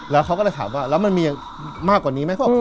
แล้วเขาก็เลยถามว่าแล้วมันมีมากกว่านี้ไหม